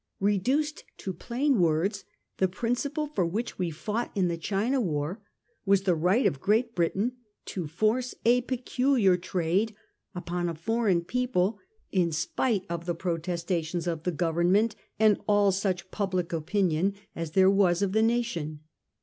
Reduced to plain words, the principle for which we fought in the China War was the right of Great Britain to force a peculiar trade upon a foreign people in spite of the protestations of the Government and all such public opinion as there was of the nation.